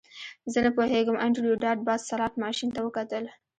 زه نه پوهیږم انډریو ډاټ باس سلاټ ماشین ته وکتل